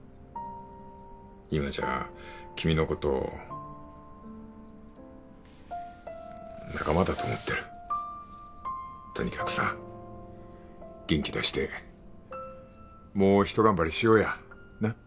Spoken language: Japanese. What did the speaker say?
今じゃ君のこと仲間だと思ってるとにかくさ元気出してもうひと頑張りしようやなッ？